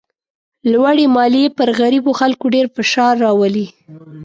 لوړې مالیې پر غریبو خلکو ډېر فشار راولي.